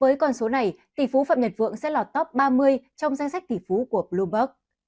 với con số này tỷ phú phạm nhật vượng sẽ là top ba mươi trong danh sách tỷ phú của bloomberg